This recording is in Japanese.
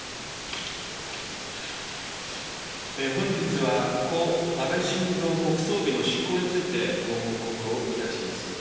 本日は故・安倍晋三国葬儀の執行についてご報告をいたします。